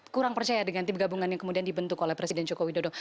kurang percaya dengan tim gabungan yang kemudian dibentuk oleh presiden joko widodo